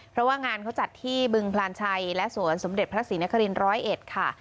เพราะว่างานเขาจัดที่บึงพลานชัยและสวนสมเด็จพระศรีนครินร้อยเอ็ดค่ะ